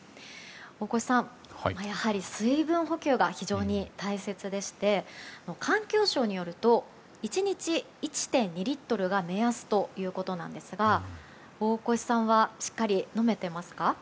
大越さん、やはり水分補給が非常に大切でして環境省によると１日１．２リットルが目安ということなんですが大越さんはしっかり飲めてますか？